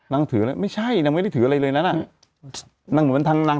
นางถือไม่ใช่นางไม่ได้ถืออะไรเลยนะนาง